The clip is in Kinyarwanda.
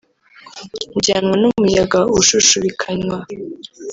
ujyanwa n'umuyaga ushushubikanywa